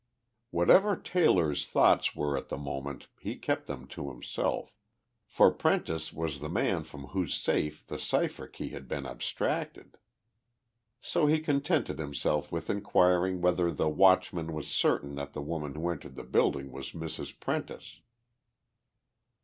Whatever Taylor's thoughts were at the moment he kept them to himself for Prentice was the man from whose safe the cipher key had been abstracted! So he contented himself with inquiring whether the watchman was certain that the woman who entered the building was Mrs. Prentice.